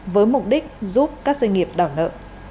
với mục đích giúp các doanh nghiệp đảo nợ